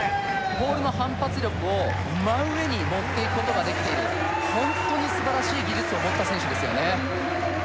ポールの反発力を真上に持っていくことができているホントに素晴らしい技術を持った選手ですよね